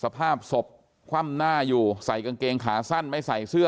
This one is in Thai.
สภาพศพคว่ำหน้าอยู่ใส่กางเกงขาสั้นไม่ใส่เสื้อ